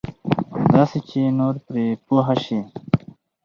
داسې چې نور پرې پوه شي.